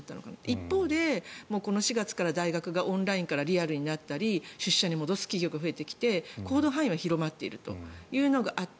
一方でこの４月から大学がオンラインからリアルになったり出社に戻す企業が増えてきて行動範囲が広まっているというのもあり